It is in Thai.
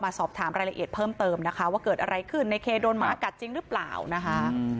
สอบถามรายละเอียดเพิ่มเติมนะคะว่าเกิดอะไรขึ้นในเคโดนหมากัดจริงหรือเปล่านะคะ